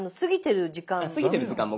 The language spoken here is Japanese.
過ぎてる時間も。